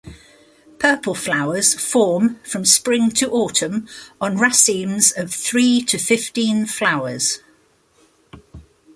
Purple flowers form from spring to autumn on racemes of three to fifteen flowers.